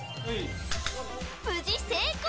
無事成功。